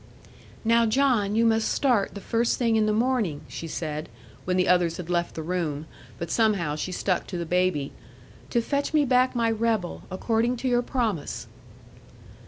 'Now, John, you must start the first thing in the morning,' she said, when the others had left the room, but somehow she stuck to the baby, 'to fetch me back my rebel, according to your promise.'